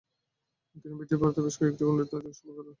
তিনি ব্রিটিশ ভারতে বেশ কয়েকটি কূটনৈতিক সফর করেন।